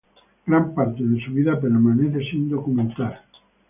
Gran parte de su vida permanece sin documentar.